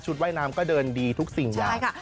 ชุดว่ายน้ำก็เดินดีทุกสิ่งนะใช่ค่ะ